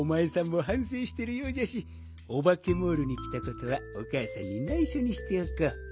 もはんせいしてるようじゃしオバケモールにきたことはおかあさんにないしょにしておこう。